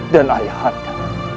dan ayah anda